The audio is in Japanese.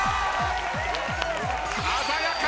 鮮やか！